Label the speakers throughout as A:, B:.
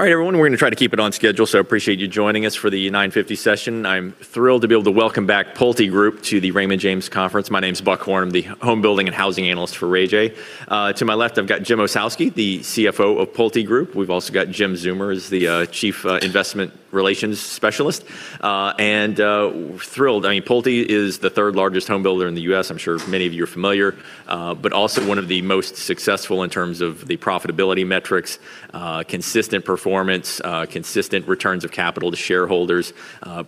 A: All right, everyone, we're gonna try to keep it on schedule. Appreciate you joining us for the 9:50 session. I'm thrilled to be able to welcome back PulteGroup to the Raymond James Conference. My name's Buck Horne, the Home Building and Housing Analyst for RayJ. To my left, I've got Jim Ossowski, the CFO of PulteGroup. We've also got Jim Zeumer is the Chief Investor Relations Specialist. Thrilled. I mean Pulte is the third-largest home builder in the U.S., I'm sure many of you are familiar. Also one of the most successful in terms of the profitability metrics, consistent performance, consistent returns of capital to shareholders,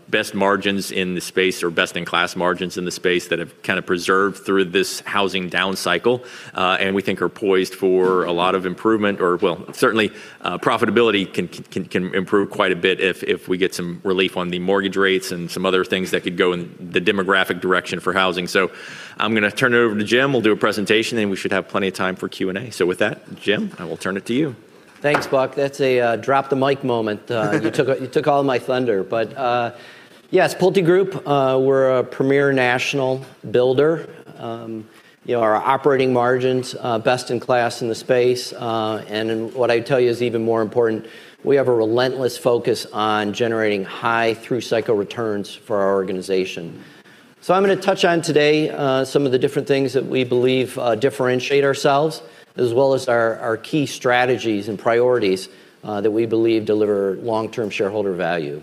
A: best margins in the space or best-in-class margins in the space that have kinda preserved through this housing down cycle. We think are poised for a lot of improvement. Well, certainly, profitability can improve quite a bit if we get some relief on the mortgage rates and some other things that could go in the demographic direction for housing. I'm gonna turn it over to Jim, we'll do a presentation, and we should have plenty of time for Q&A. With that, Jim, I will turn it to you.
B: Thanks, Buck. That's a drop-the-mic moment. You took all my thunder. Yes, PulteGroup, we're a premier national builder. You know, our operating margins, best in class in the space, and then what I tell you is even more important, we have a relentless focus on generating high through-cycle returns for our organization. I'm gonna touch on today, some of the different things that we believe differentiate ourselves, as well as our key strategies and priorities that we believe deliver long-term shareholder value.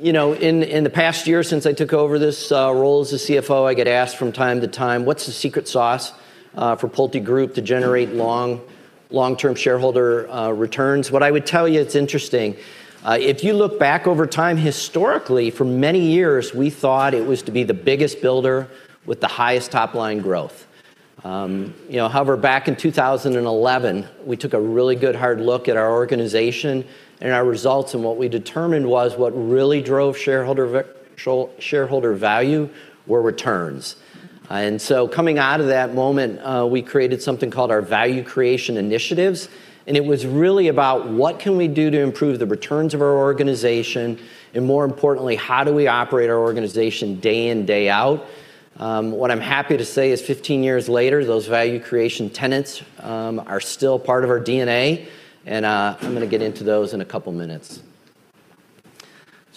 B: You know, in the past year since I took over this role as the CFO, I get asked from time to time, "What's the secret sauce for PulteGroup to generate long-term shareholder returns?" What I would tell you, it's interesting. If you look back over time historically, for many years, we thought it was to be the biggest builder with the highest top-line growth. You know, however, back in 2011, we took a really good hard look at our organization and our results, and what we determined was what really drove shareholder value were returns. Coming out of that moment, we created something called our Value Creation initiatives, and it was really about what can we do to improve the returns of our organization, and more importantly, how do we operate our organization day in, day out. What I'm happy to say is 15 years later, those value creation tenets, are still part of our DNA, and I'm gonna get into those in a couple minutes.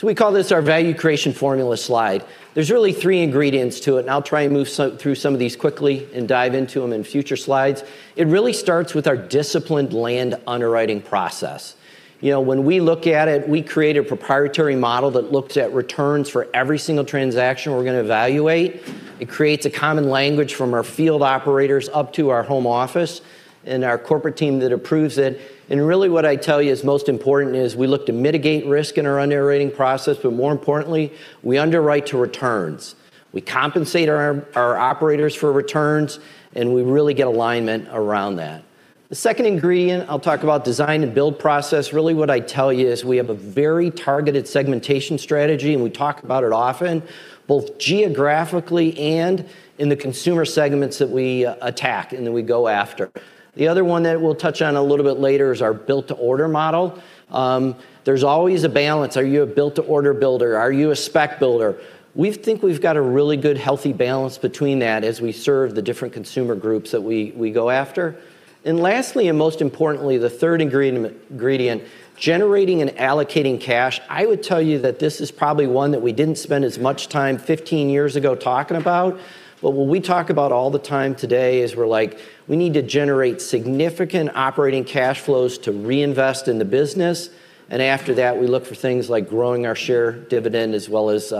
B: We call this our value creation formula slide. There's really three ingredients to it. I'll try and move through some of these quickly and dive into them in future slides. It really starts with our disciplined land underwriting process. You know, when we look at it, we create a proprietary model that looks at returns for every single transaction we're gonna evaluate. It creates a common language from our field operators up to our home office and our corporate team that approves it. Really what I tell you is most important is we look to mitigate risk in our underwriting process. More importantly, we underwrite to returns. We compensate our operators for returns. We really get alignment around that. The second ingredient, I'll talk about design and build process. Really what I tell you is we have a very targeted segmentation strategy. We talk about it often, both geographically and in the consumer segments that we attack and that we go after. The other one that we'll touch on a little bit later is our build-to-order model. There's always a balance. Are you a build-to-order builder? Are you a spec builder? We think we've got a really good, healthy balance between that as we serve the different consumer groups that we go after. Lastly and most importantly, the third ingredient, generating and allocating cash. I would tell you that this is probably one that we didn't spend as much time 15 years ago talking about. What we talk about all the time today is we're like, "We need to generate significant operating cash flows to reinvest in the business." After that, we look for things like growing our share dividend as well as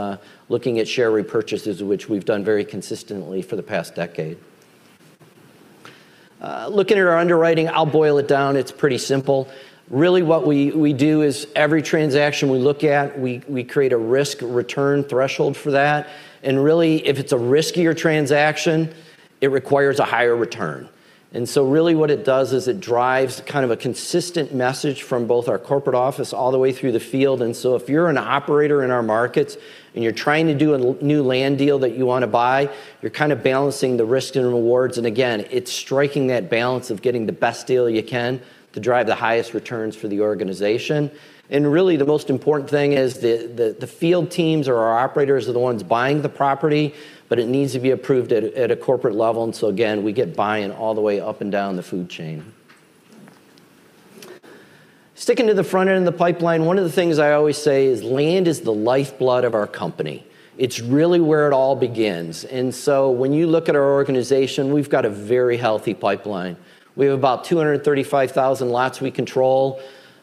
B: looking at share repurchases, which we've done very consistently for the past decade. Looking at our underwriting, I'll boil it down. It's pretty simple. Really what we do is every transaction we look at, we create a risk-return threshold for that. Really, if it's a riskier transaction, it requires a higher return. Really what it does is it drives kind of a consistent message from both our corporate office all the way through the field. If you're an operator in our markets and you're trying to do a new land deal that you wanna buy, you're kinda balancing the risks and rewards. Again, it's striking that balance of getting the best deal you can to drive the highest returns for the organization. Really the most important thing is the field teams or our operators are the ones buying the property, but it needs to be approved at a corporate level. Again, we get buy-in all the way up and down the food chain. Sticking to the front end of the pipeline, one of the things I always say is land is the lifeblood of our company. It's really where it all begins. When you look at our organization, we've got a very healthy pipeline. We have about 235,000 lots we control.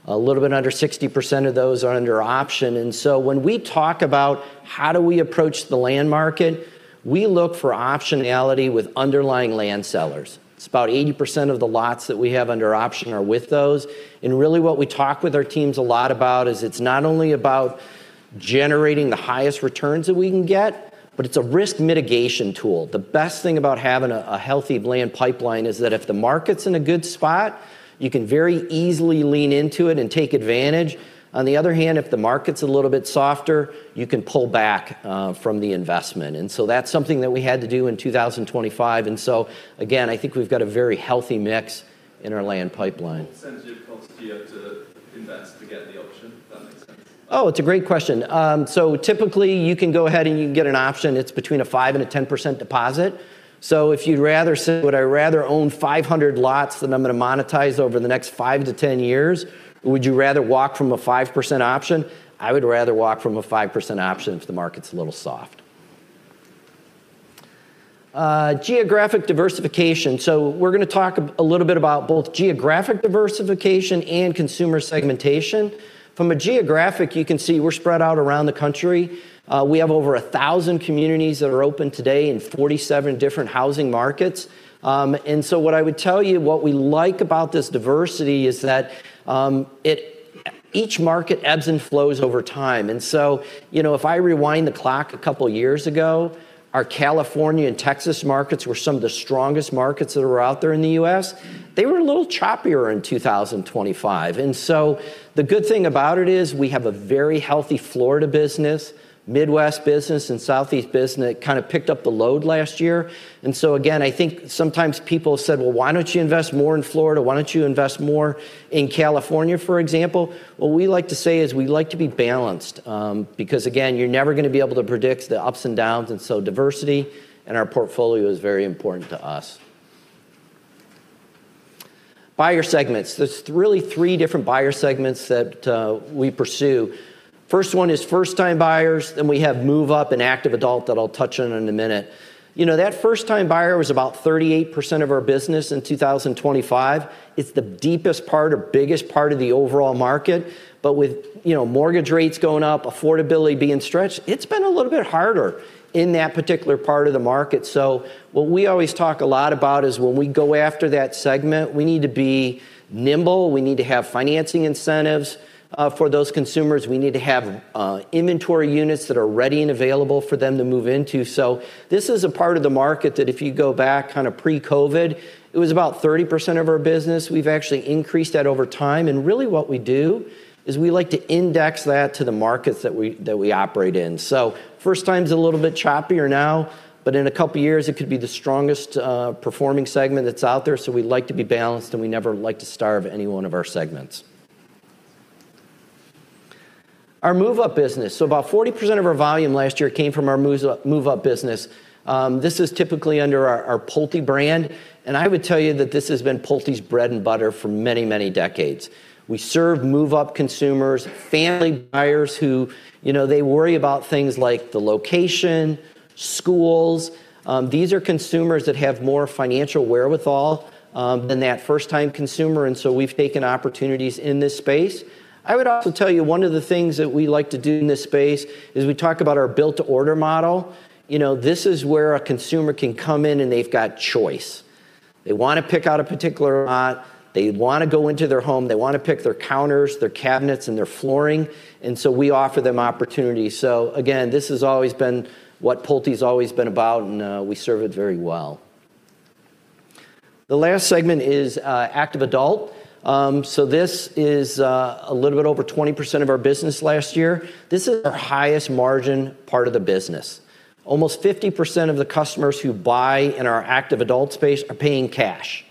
B: A little bit under 60% of those are under option. When we talk about how do we approach the land market, we look for optionality with underlying land sellers. It's about 80% of the lots that we have under option are with those. Really what we talk with our teams a lot about is it's not only about generating the highest returns that we can get, but it's a risk mitigation tool. The best thing about having a healthy land pipeline is that if the market's in a good spot, you can very easily lean into it and take advantage. On the other hand, if the market's a little bit softer, you can pull back from the investment. That's something that we had to do in 2025. Again, I think we've got a very healthy mix in our land pipeline.
A: Sensitive cost here.
C: Invest to get the option, if that makes sense.
B: Oh, it's a great question. Typically you can go ahead and you can get an option. It's between a 5% and a 10% deposit. If you'd rather say, "Would I rather own 500 lots than I'm gonna monetize over the next five to 10 years?" Would you rather walk from a 5% option? I would rather walk from a 5% option if the market's a little soft. Geographic diversification. We're gonna talk a little bit about both geographic diversification and consumer segmentation. From a geographic, you can see we're spread out around the country. We have over 1,000 communities that are open today in 47 different housing markets. What I would tell you, what we like about this diversity is that, each market ebbs and flows over time. You know, if I rewind the clock a couple years ago, our California and Texas markets were some of the strongest markets that are out there in the U.S. They were a little choppier in 2025. The good thing about it is we have a very healthy Florida business, Midwest business, and Southeast business that kind of picked up the load last year. Again, I think sometimes people have said, "Well, why don't you invest more in Florida? Why don't you invest more in California, for example?" What we like to say is we like to be balanced, because again, you're never gonna be able to predict the ups and downs, and so diversity in our portfolio is very important to us. Buyer segments. There's really three different buyer segments that we pursue. First one is first-time buyers. We have move-up and active adult that I'll touch on in a minute. You know, that first-time buyer was about 38% of our business in 2025. It's the deepest part or biggest part of the overall market. With, you know, mortgage rates going up, affordability being stretched, it's been a little bit harder in that particular part of the market. What we always talk a lot about is when we go after that segment, we need to be nimble. We need to have financing incentives for those consumers. We need to have inventory units that are ready and available for them to move into. This is a part of the market that if you go back kinda pre-COVID, it was about 30% of our business. We've actually increased that over time, and really what we do is we like to index that to the markets that we operate in. First-time's a little bit choppier now, but in a couple years it could be the strongest performing segment that's out there. We like to be balanced, and we never like to starve any one of our segments. Our move-up business. About 40% of our volume last year came from our move-up business. This is typically under our Pulte brand, and I would tell you that this has been Pulte's bread and butter for many, many decades. We serve move-up consumers, family buyers who, you know, they worry about things like the location, schools. These are consumers that have more financial wherewithal than that first-time consumer, and so we've taken opportunities in this space. I would also tell you one of the things that we like to do in this space is we talk about our build-to-order model. You know, this is where a consumer can come in and they've got choice. They wanna pick out a particular lot. They wanna go into their home. They wanna pick their counters, their cabinets, and their flooring, and so we offer them opportunities. Again, this has always been what Pulte's always been about, and we serve it very well. The last segment is active adult. This is a little bit over 20% of our business last year. This is our highest margin part of the business. Almost 50% of the customers who buy in our active adult space are paying cash.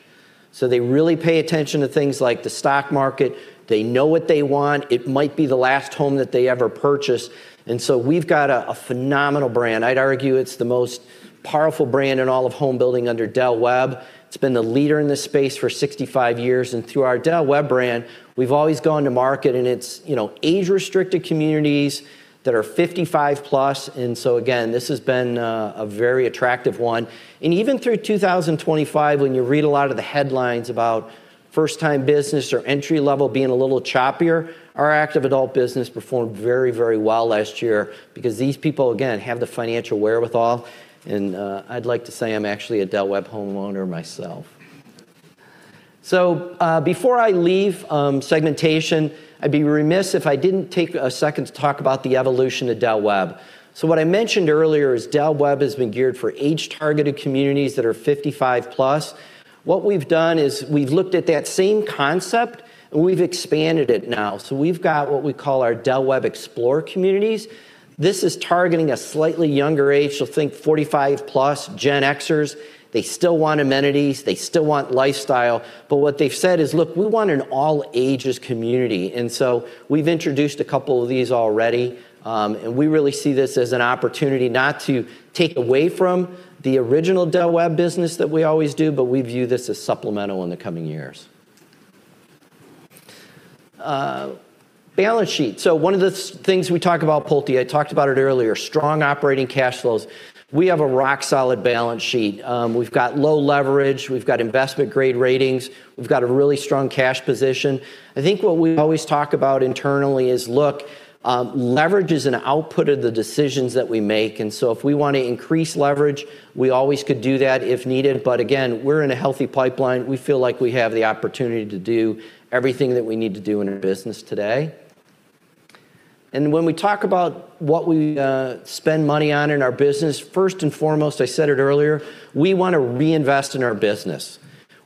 B: They really pay attention to things like the stock market. They know what they want. It might be the last home that they ever purchase. We've got a phenomenal brand. I'd argue it's the most powerful brand in all of home building under Del Webb. It's been the leader in this space for 65 years, and through our Del Webb brand, we've always gone to market, and it's, you know, age-restricted communities that are 55 plus. Again, this has been a very attractive one. Even through 2025, when you read a lot of the headlines about first-time business or entry-level being a little choppier, our active adult business performed very, very well last year because these people, again, have the financial wherewithal. I'd like to say I'm actually a Del Webb homeowner myself. Before I leave segmentation, I'd be remiss if I didn't take a second to talk about the evolution of Del Webb. What I mentioned earlier is Del Webb has been geared for age-targeted communities that are 55 plus. What we've done is we've looked at that same concept, we've expanded it now. We've got what we call our Del Webb Explore communities. This is targeting a slightly younger age. Think 45 plus Gen Xers. They still want amenities. They still want lifestyle. What they've said is, "Look, we want an all-ages community." We've introduced a couple of these already. We really see this as an opportunity not to take away from the original Del Webb business that we always do, we view this as supplemental in the coming years. Balance sheet. One of the things we talk about at Pulte, I talked about it earlier, strong operating cash flows. We have a rock solid balance sheet. We've got low leverage. We've got investment grade ratings. We've got a really strong cash position. I think what we always talk about internally is, look, leverage is an output of the decisions that we make. If we wanna increase leverage, we always could do that if needed. Again, we're in a healthy pipeline. We feel like we have the opportunity to do everything that we need to do in our business today. When we talk about what we spend money on in our business, first and foremost, I said it earlier, we wanna reinvest in our business.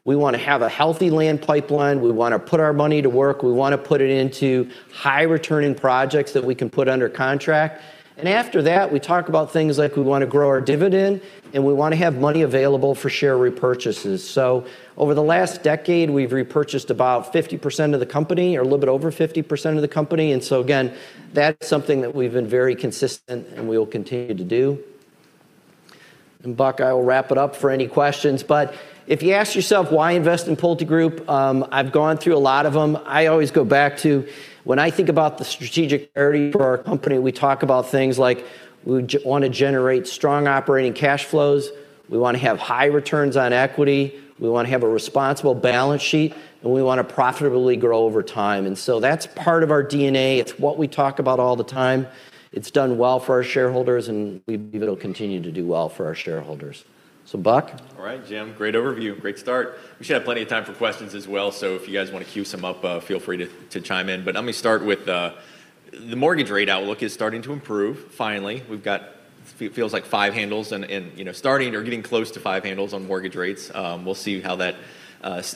B: We wanna have a healthy land pipeline. We wanna put our money to work. We wanna put it into high-returning projects that we can put under contract. After that, we talk about things like we wanna grow our dividend, and we wanna have money available for share repurchases. Over the last decade, we've repurchased about 50% of the company or a little bit over 50% of the company. Again, that's something that we've been very consistent and we will continue to do. Buck, I will wrap it up for any questions. If you ask yourself why invest in PulteGroup, I've gone through a lot of them. I always go back to when I think about the strategic priority for our company, we talk about things like we want to generate strong operating cash flows, we want to have high returns on equity, we want to have a responsible balance sheet, and we want to profitably grow over time. That's part of our DNA. It's what we talk about all the time. It's done well for our shareholders, and we believe it'll continue to do well for our shareholders. Buck?
A: All right, Jim. Great overview. Great start. We should have plenty of time for questions as well, so if you guys want to queue some up, feel free to chime in. Let me start with the mortgage rate outlook is starting to improve finally. We've got feels like 5 handles and, you know, starting or getting close to 5 handles on mortgage rates. We'll see how that,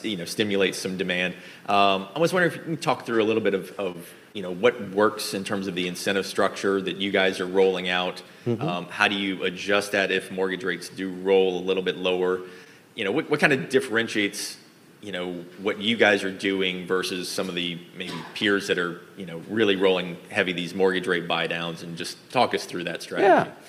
A: you know, stimulates some demand. I was wondering if you can talk through a little bit of, you know, what works in terms of the incentive structure that you guys are rolling out.
B: Mm-hmm.
A: How do you adjust that if mortgage rates do roll a little bit lower? You know, what kind of differentiates, you know, what you guys are doing versus some of the maybe peers that are, you know, really rolling heavy these mortgage rate buydowns? Just talk us through that strategy.
B: Yeah.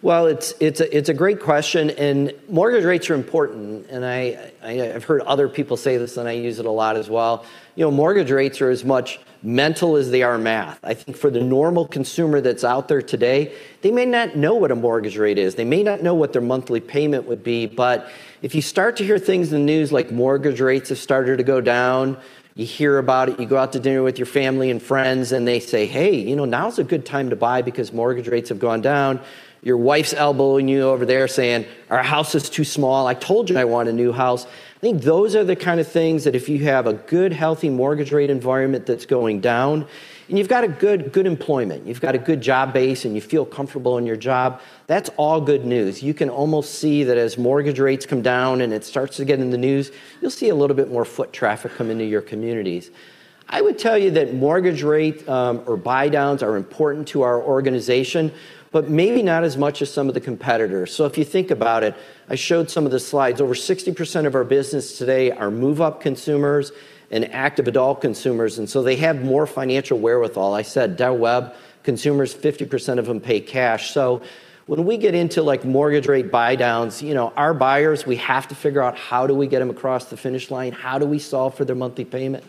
B: Well, it's a, it's a great question. Mortgage rates are important, I've heard other people say this, and I use it a lot as well. You know, mortgage rates are as much mental as they are math. I think for the normal consumer that's out there today, they may not know what a mortgage rate is. They may not know what their monthly payment would be. If you start to hear things in the news like mortgage rates have started to go down, you hear about it, you go out to dinner with your family and friends, and they say, "Hey, you know, now's a good time to buy because mortgage rates have gone down." Your wife's elbowing you over there saying, "Our house is too small. I told you I want a new house." I think those are the kind of things that if you have a good, healthy mortgage rate environment that's going down, and you've got a good employment, you've got a good job base, and you feel comfortable in your job, that's all good news. You can almost see that as mortgage rates come down, and it starts to get in the news, you'll see a little bit more foot traffic come into your communities. I would tell you that mortgage rate, or buydowns are important to our organization, but maybe not as much as some of the competitors. If you think about it, I showed some of the slides. Over 60% of our business today are move-up consumers and active adult consumers, and so they have more financial wherewithal. I said Del Webb consumers, 50% of them pay cash. When we get into, like, mortgage rate buydowns, you know, our buyers, we have to figure out how do we get them across the finish line? How do we solve for their monthly payment?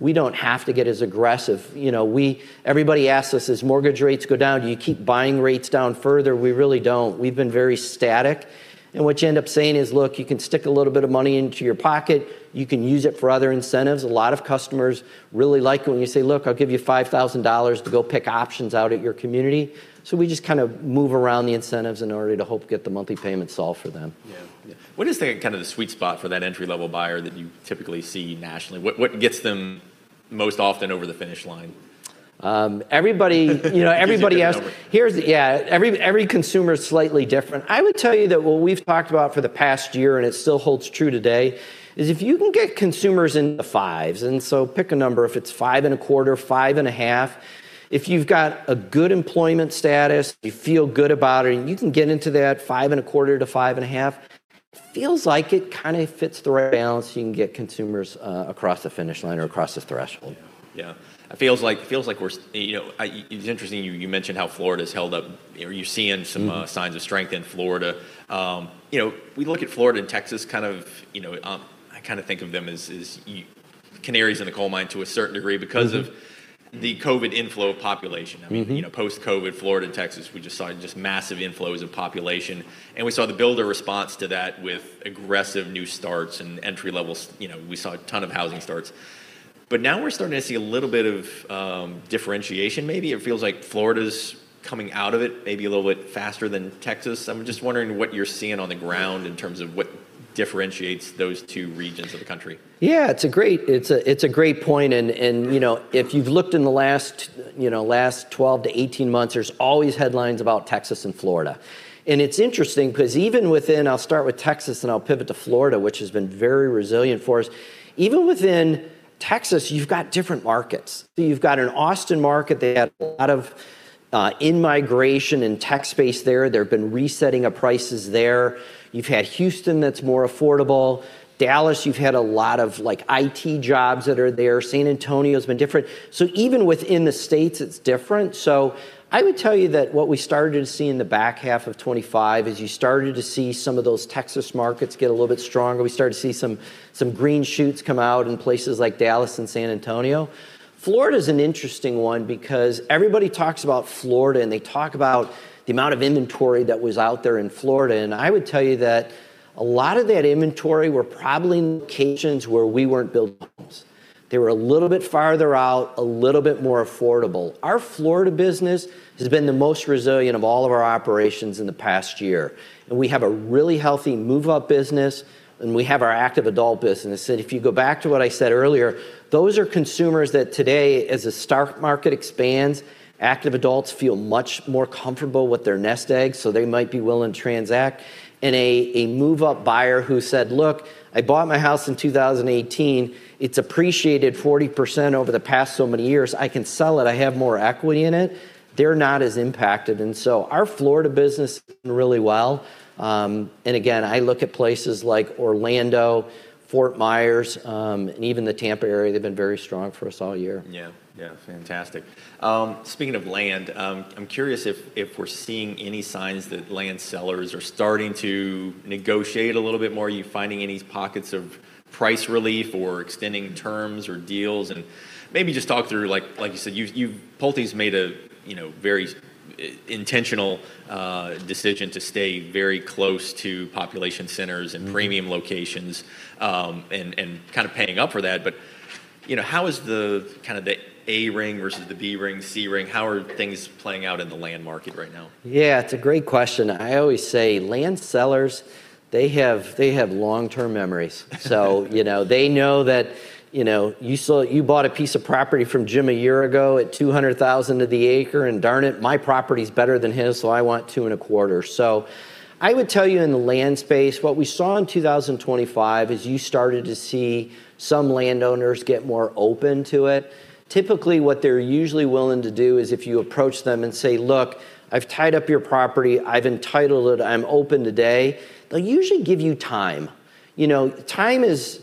B: We don't have to get as aggressive. You know, Everybody asks us, "As mortgage rates go down, do you keep buying rates down further?" We really don't. We've been very static. What you end up saying is, "Look, you can stick a little bit of money into your pocket. You can use it for other incentives." A lot of customers really like it when you say, "Look, I'll give you $5,000 to go pick options out at your community." We just kind of move around the incentives in order to hope to get the monthly payment solved for them.
A: Yeah. Yeah. What is the, kind of the sweet spot for that entry-level buyer that you typically see nationally? What gets them most often over the finish line?
B: You know, everybody asks.
A: Gets them over.
B: Yeah. Every consumer is slightly different. I would tell you that what we've talked about for the past year, and it still holds true today, is if you can get consumers in the 5s, pick a number, if it's five and a quarter, five and a half. If you've got a good employment status, you feel good about it, and you can get into that five and a quarter to five and a half, feels like it kind of fits the right balance. You can get consumers across the finish line or across the threshold.
A: Yeah. It feels like You know, It's interesting you mentioned how Florida's held up. You know, you're seeing
B: Mm-hmm
A: Signs of strength in Florida. You know, we look at Florida and Texas kind of, you know, I kind of think of them as canaries in the coal mine to a certain degree.
B: Mm-hmm.
A: Because of the COVID inflow of population.
B: Mm-hmm.
A: I mean, you know, post-COVID Florida, Texas, we just saw just massive inflows of population, and we saw the builder response to that with aggressive new starts and entry-level you know, we saw a ton of housing starts. Now we're starting to see a little bit of differentiation maybe. It feels like Florida's coming out of it maybe a little bit faster than Texas. I'm just wondering what you're seeing on the ground in terms of what differentiates those two regions of the country.
B: Yeah, it's a great, it's a, it's a great point, and, you know, if you've looked in the last, you know, last 12 to 18 months, there's always headlines about Texas and Florida. It's interesting because even within, I'll start with Texas, and I'll pivot to Florida, which has been very resilient for us. Even within Texas, you've got different markets. You've got an Austin market. They had a lot of in-migration in tech space there. There have been resetting of prices there. You've had Houston that's more affordable. Dallas, you've had a lot of, like, IT jobs that are there. San Antonio's been different. Even within the states, it's different. I would tell you that what we started to see in the back half of 2025 is you started to see some of those Texas markets get a little bit stronger. We started to see some green shoots come out in places like Dallas and San Antonio. Florida's an interesting one because everybody talks about Florida, and they talk about the amount of inventory that was out there in Florida, and I would tell you that a lot of that inventory were probably in locations where we weren't building homes. They were a little bit farther out, a little bit more affordable. Our Florida business has been the most resilient of all of our operations in the past year, and we have a really healthy move-up business, and we have our active adult business. If you go back to what I said earlier, those are consumers that today, as the stock market expands, active adults feel much more comfortable with their nest egg, so they might be willing to transact. A move-up buyer who said, "Look, I bought my house in 2018. It's appreciated 40% over the past so many years. I can sell it. I have more equity in it," they're not as impacted. Our Florida business has been really well, and again, I look at places like Orlando, Fort Myers, and even the Tampa area. They've been very strong for us all year.
A: Yeah. Yeah. Fantastic. Speaking of land, I'm curious if we're seeing any signs that land sellers are starting to negotiate a little bit more. Are you finding any pockets of price relief or extending terms or deals? Maybe just talk through, like you said, PulteGroup's made a, you know, very intentional decision to stay very close to population centers and premium locations, and kind of paying up for that. You know, how is the kind of the A ring versus the B ring, C ring? How are things playing out in the land market right now?
B: Yeah, it's a great question. I always say land sellers, they have long-term memories. You know, they know that, you know, you bought a piece of property from Jim a year ago at $200,000 to the acre, and darn it, my property's better than his, so I want two and a quarter. I would tell you in the land space, what we saw in 2025 is you started to see some landowners get more open to it. Typically, what they're usually willing to do is if you approach them and say, "Look, I've tied up your property, I've entitled it, I'm open today," they'll usually give you time. You know, time is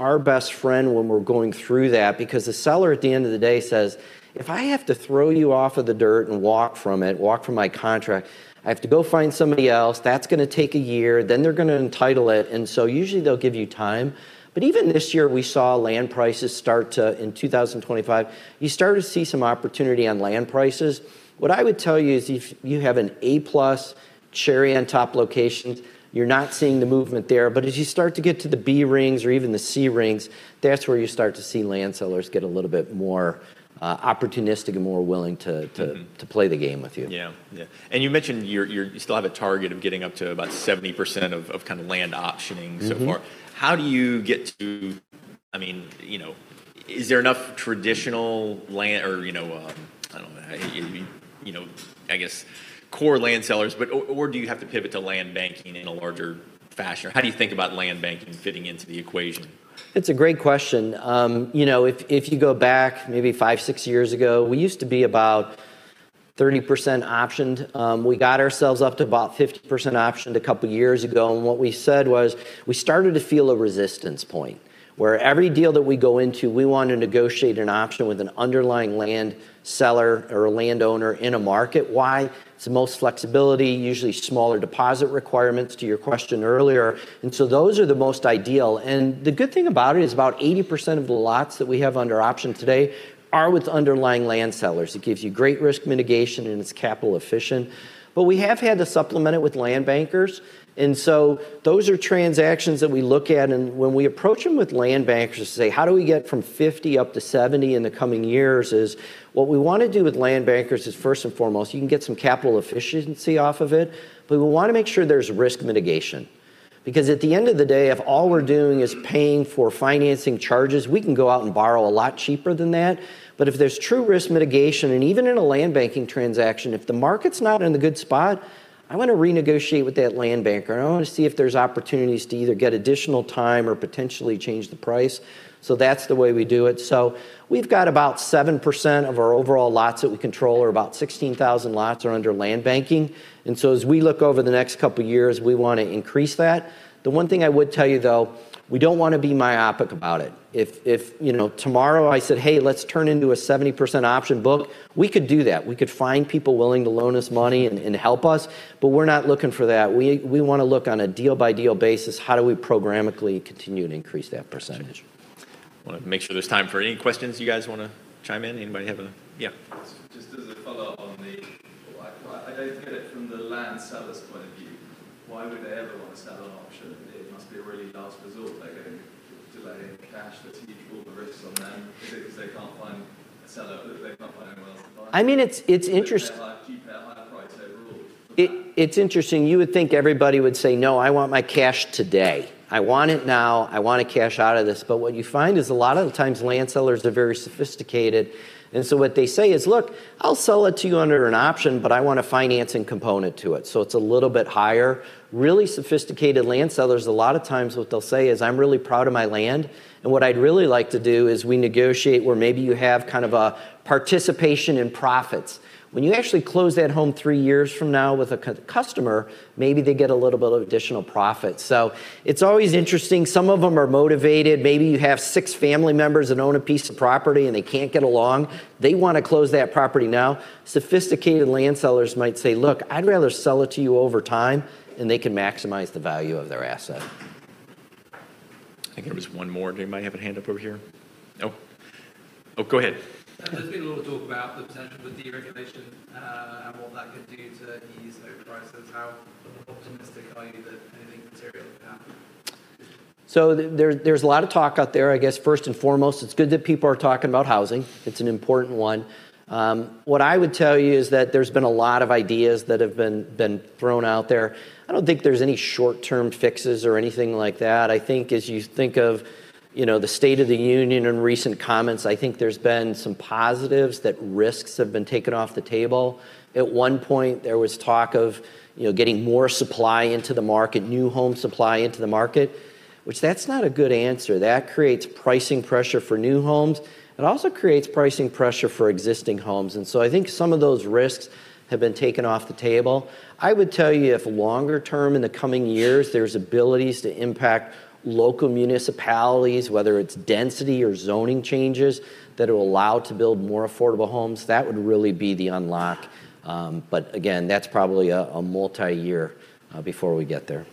B: our best friend when we're going through that because the seller at the end of the day says, "If I have to throw you off of the dirt and walk from it, walk from my contract, I have to go find somebody else. That's gonna take a year, then they're gonna entitle it." Usually they'll give you time. Even this year, we saw land prices start to, in 2025, you start to see some opportunity on land prices. What I would tell you is if you have an A-plus cherry on top location, you're not seeing the movement there. As you start to get to the B rings or even the C rings, that's where you start to see land sellers get a little bit more opportunistic and more willing to-
A: Mm-hmm
B: To play the game with you.
A: Yeah, yeah. You mentioned you still have a target of getting up to about 70% of kind of land optioning so far.
B: Mm-hmm.
A: How do you get to I mean, you know, is there enough traditional land or, you know, I don't know, you know, I guess core land sellers, but or do you have to pivot to land banking in a larger fashion? How do you think about land banking fitting into the equation?
B: It's a great question. you know, if you go back maybe five, six years ago, we used to be about 30% optioned. We got ourselves up to about 50% optioned a couple years ago, and what we said was, we started to feel a resistance point, where every deal that we go into, we want to negotiate an option with an underlying land seller or a landowner in a market. Why? It's the most flexibility, usually smaller deposit requirements to your question earlier. Those are the most ideal. The good thing about it is about 80% of the lots that we have under option today are with underlying land sellers. It gives you great risk mitigation, and it's capital efficient. We have had to supplement it with land bankers. Those are transactions that we look at, and when we approach them with land bankers to say, "How do we get from 50 up to 70 in the coming years?" Is what we wanna do with land bankers is, first and foremost, you can get some capital efficiency off of it, but we wanna make sure there's risk mitigation, because at the end of the day, if all we're doing is paying for financing charges, we can go out and borrow a lot cheaper than that. If there's true risk mitigation, and even in a land banking transaction, if the market's not in a good spot, I wanna renegotiate with that land banker, and I wanna see if there's opportunities to either get additional time or potentially change the price. That's the way we do it. We've got about 7% of our overall lots that we control, or about 16,000 lots are under land banking. As we look over the next couple years, we wanna increase that. The one thing I would tell you, though, we don't wanna be myopic about it. If, if, you know, tomorrow I said, "Hey, let's turn into a 70% option book," we could do that. We could find people willing to loan us money and help us. We're not looking for that. We, we wanna look on a deal-by-deal basis, how do we programmatically continue to increase that percentage?
A: Wanna make sure there's time for any questions. You guys wanna chime in? Anybody have a? Yeah.
C: Just as a follow-up. I don't get it from the land seller's point of view. Why would they ever want to sell an option? It must be a really last resort. They're getting delayed cash that's huge. All the risks on them because they can't find a seller, they can't find anyone else to buy.
B: I mean, it's.
C: They have to keep their eye on the prize overall for that.
B: It's interesting. You would think everybody would say, "No, I want my cash today. I want it now. I want to cash out of this." What you find is a lot of the times land sellers are very sophisticated, what they say is, "Look, I'll sell it to you under an option, but I want a financing component to it," so it's a little bit higher. Really sophisticated land sellers, a lot of times what they'll say is, "I'm really proud of my land, and what I'd really like to do is we negotiate where maybe you have kind of a participation in profits." When you actually close that home three years from now with a customer, maybe they get a little bit of additional profit. It's always interesting. Some of them are motivated. Maybe you have six family members that own a piece of property. They can't get along. They wanna close that property now. Sophisticated land sellers might say, "Look, I'd rather sell it to you over time." They can maximize the value of their asset.
A: I think there was one more. Did anybody have a hand up over here? Oh. Oh, go ahead.
C: There's been a lot of talk about the potential with deregulation, and what that could do to ease home prices. How optimistic are you that anything material can happen?
B: There's a lot of talk out there. I guess first and foremost, it's good that people are talking about housing. It's an important one. What I would tell you is that there's been a lot of ideas that have been thrown out there. I don't think there's any short-term fixes or anything like that. I think as you think of, you know, the State of the Union and recent comments, I think there's been some positives that risks have been taken off the table. At one point, there was talk of, you know, getting more supply into the market, new home supply into the market, which that's not a good answer. That creates pricing pressure for new homes. It also creates pricing pressure for existing homes. I think some of those risks have been taken off the table. I would tell you if longer term in the coming years, there's abilities to impact local municipalities, whether it's density or zoning changes that will allow to build more affordable homes, that would really be the unlock. Again, that's probably a multi-year, before we get there.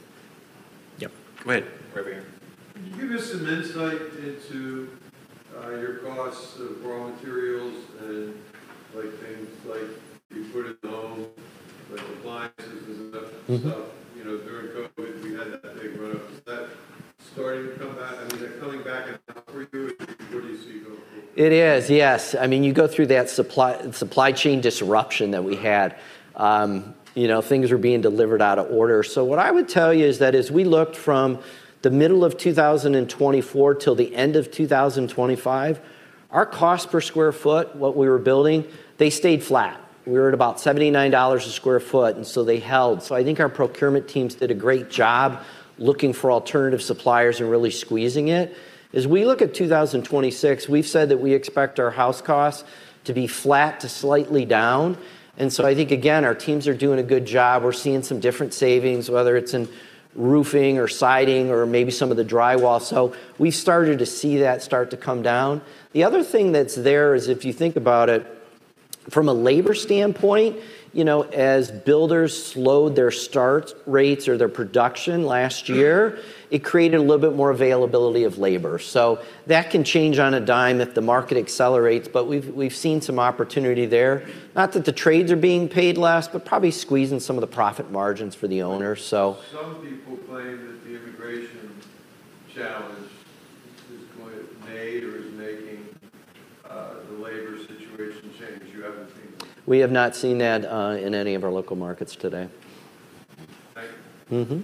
A: Yep. Go ahead. Right here.
C: Can you give us some insight into costs of raw materials and like, things like you put in homes, like appliances and stuff?
B: Mm-hmm.
C: You know, during COVID we had that big run up. Is that starting to come back? I mean, they're coming back at all for you? Where do you see it going?
B: It is, yes. I mean, you go through that supply chain disruption that we had, you know, things are being delivered out of order. What I would tell you is that as we looked from the middle of 2024 till the end of 2025, our cost per square foot, what we were building, they stayed flat. We were at about $79 a square foot. They held. I think our procurement teams did a great job looking for alternative suppliers and really squeezing it. As we look at 2026, we've said that we expect our house costs to be flat to slightly down. I think, again, our teams are doing a good job. We're seeing some different savings, whether it's in roofing or siding or maybe some of the drywall. We started to see that start to come down. The other thing that's there is if you think about it from a labor standpoint, you know, as builders slowed their start rates or their production last year, it created a little bit more availability of labor. That can change on a dime if the market accelerates, but we've seen some opportunity there. Not that the trades are being paid less, but probably squeezing some of the profit margins for the owners.
C: Some people claim that the immigration challenge is making the labor situation change. You haven't seen that?
B: We have not seen that in any of our local markets today.
C: Thank you.
B: Mm-hmm.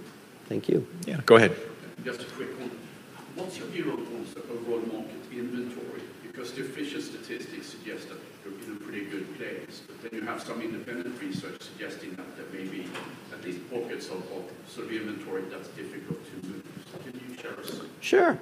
B: Thank you.
A: Yeah, go ahead.
C: Just a quick one. What's your view on sort of overall market inventory? The official statistics suggest that you're in a pretty good place. You have some independent research suggesting that there may be at least pockets of sort of inventory that's difficult to move. Can you share us?
B: Sure.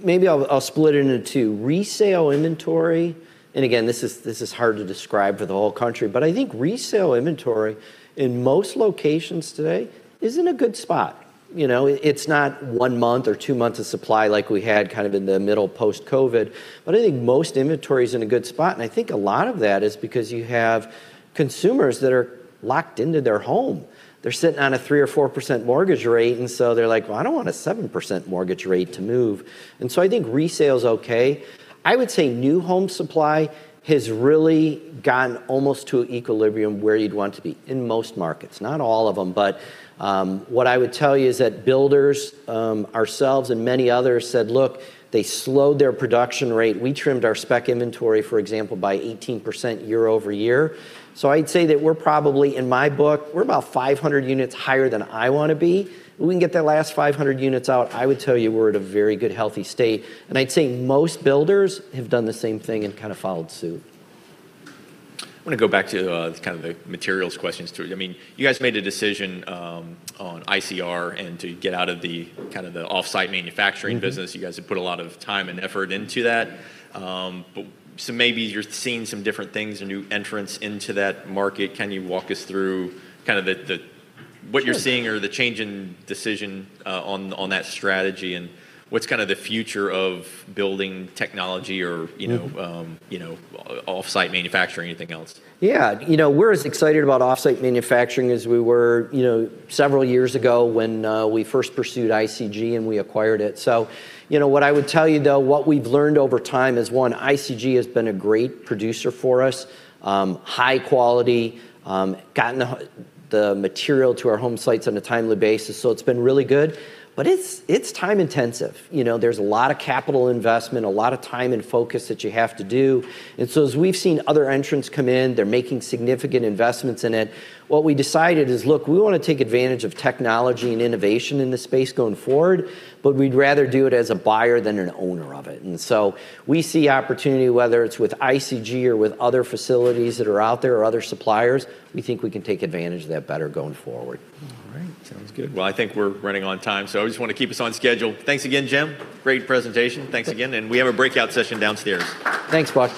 B: Maybe I'll split it into two. Resale inventory, again, this is hard to describe for the whole country, but I think resale inventory in most locations today is in a good spot. You know, it's not one month or two months of supply like we had kind of in the middle post-COVID, but I think most inventory's in a good spot, and I think a lot of that is because you have consumers that are locked into their home. They're sitting on a 3% or 4% mortgage rate, they're like, "Well, I don't want a 7% mortgage rate to move." I think resale's okay. I would say new home supply has really gotten almost to equilibrium where you'd want to be in most markets, not all of them. What I would tell you is that builders, ourselves and many others said, "Look, they slowed their production rate." We trimmed our spec inventory, for example, by 18% year-over-year. I'd say that we're probably, in my book, we're about 500 units higher than I wanna be. If we can get that last 500 units out, I would tell you we're at a very good, healthy state, and I'd say most builders have done the same thing and kind of followed suit.
A: I wanna go back to, kind of the materials questions too. I mean, you guys made a decision, on ICR and to get out of the, kind of the offsite manufacturing business.
B: Mm-hmm.
A: You guys have put a lot of time and effort into that. Maybe you're seeing some different things or new entrants into that market. Can you walk us through kind of the?
B: Sure.
A: what you're seeing or the change in decision on that strategy and what's kind of the future of building technology or, you know?
B: Mm.
A: You know, offsite manufacturing, anything else?
B: Yeah. You know, we're as excited about offsite manufacturing as we were, you know, several years ago when we first pursued ICG and we acquired it. You know what I would tell you though, what we've learned over time is, one, ICG has been a great producer for us. High quality, gotten the material to our home sites on a timely basis, so it's been really good. It's, it's time intensive. You know, there's a lot of capital investment, a lot of time and focus that you have to do. As we've seen other entrants come in, they're making significant investments in it. What we decided is, look, we want to take advantage of technology and innovation in this space going forward, but we'd rather do it as a buyer than an owner of it. We see opportunity, whether it's with ICG or with other facilities that are out there or other suppliers. We think we can take advantage of that better going forward.
A: All right. Sounds good. Well, I think we're running on time, so I just wanna keep us on schedule. Thanks again, Jim. Great presentation.
B: Thank you.
A: Thanks again, and we have a breakout session downstairs.
B: Thanks, Boston.